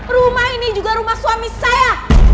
rumah ini juga rumah suami saya